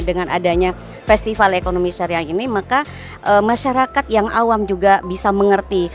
dengan adanya festival ekonomi syariah ini maka masyarakat yang awam juga bisa mengerti